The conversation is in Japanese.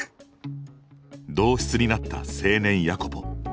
同室になった青年ヤコポ。